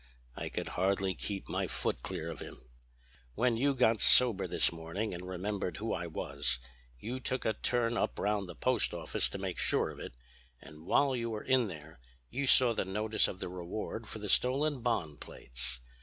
I could hardly keep my foot clear of him. 'When you got sober this morning and remembered who I was, you took a turn up round the post office to make sure of it, and while you were in there you saw the notice of the reward for the stolen bond plates.